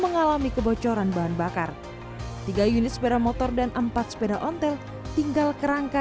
mengalami kebocoran bahan bakar tiga unit sepeda motor dan empat sepeda ontel tinggal kerangka